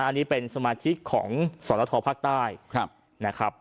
อันนี้เป็นสมาชิกของสรทภาคใต้นะครับ